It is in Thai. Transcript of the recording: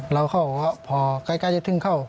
แล้วเขาก็พอใกล้จะทึ่งเข้า